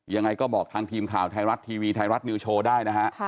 ยังไงก็บอกทางทีมข่าวไทยรัฐทีวีไทยรัฐนิวโชว์ได้นะฮะ